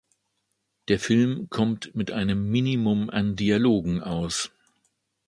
Der Film kommt mit einem Minimum an Dialogen aus.